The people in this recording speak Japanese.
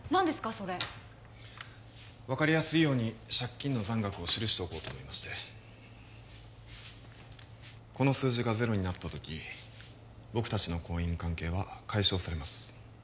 それ分かりやすいように借金の残額を記しておこうと思いましてこの数字がゼロになった時僕達の婚姻関係は解消されます